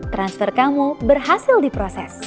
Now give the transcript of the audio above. transfer kamu berhasil diproses